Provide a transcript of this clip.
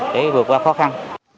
để vượt qua khó khăn